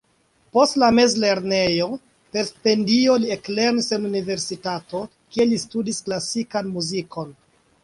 Post la mezlernejo, per stipendio li eklernis en universitato, kie li studis klasikan muzikon.